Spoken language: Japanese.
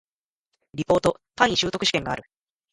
リポート、単位習得試験がある